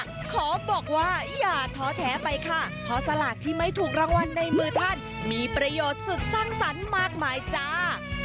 ขอบอกว่าอย่าท้อแท้ไปค่ะเพราะสลากที่ไม่ถูกรางวัลในมือท่านมีประโยชน์สุดสร้างสรรค์มากมายจ้า